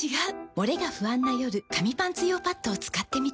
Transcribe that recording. モレが不安な夜紙パンツ用パッドを使ってみた。